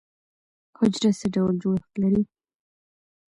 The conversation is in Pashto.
حجره څه ډول جوړښت لري؟